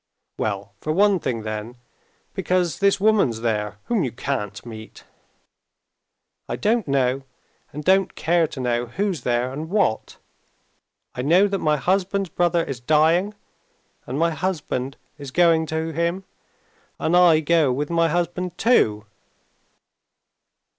"Well, for one thing then, because this woman's there whom you can't meet." "I don't know and don't care to know who's there and what. I know that my husband's brother is dying and my husband is going to him, and I go with my husband too...."